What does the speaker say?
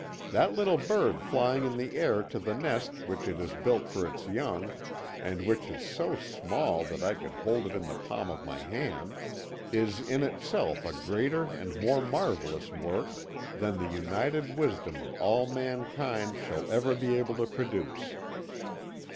That little bird flying in the air to the nest which it has built for its young, and which is so small that I could hold it in the palm of my hand, is in itself a greater and more marvellous work than the united wisdom of all mankind shall ever be able to produce."